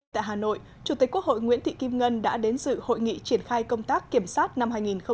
tại hà nội chủ tịch quốc hội nguyễn thị kim ngân đã đến dự hội nghị triển khai công tác kiểm sát năm hai nghìn một mươi chín